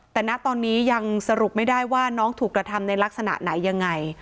แต่ณตอนนี้ยังสรุปไม่ได้ว่าน้องถูกกระทำในลักษณะไหนยังไง